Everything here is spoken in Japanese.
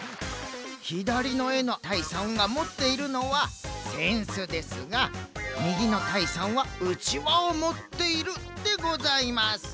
ひだりのえのたいさんがもっているのはせんすですがみぎのたいさんはうちわをもっているでございます。